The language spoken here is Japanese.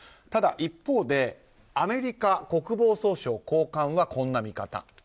ただ、一方でアメリカ国防総省高官はこんな見方。